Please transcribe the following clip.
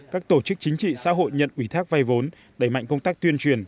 các tổ chức chính trị xã hội nhận ủy thác vay vốn đẩy mạnh công tác tuyên truyền